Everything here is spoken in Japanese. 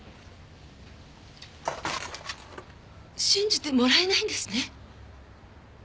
信じてもらえないんですね。